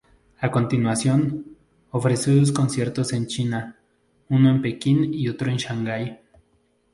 A continuación, ofreció dos conciertos en China, uno en Pekín y otro en Shangai.